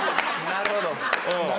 なるほどな。